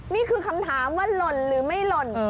นี่คือคำถามว่าหล่นหรือไม่หล่น